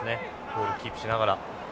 ボールキープしながら。